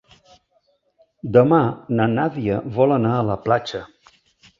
Demà na Nàdia vol anar a la platja.